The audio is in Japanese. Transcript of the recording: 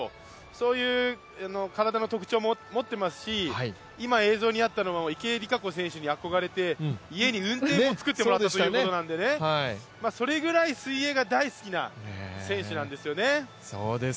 そういう体の特徴を持っていますし、今、映像にあったのは池江璃花子選手に憧れて家にうんていを作ってもらったというそれぐらい水泳が大好きな選手なんですよね。